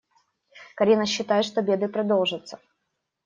Карина считает, что беды продолжатся.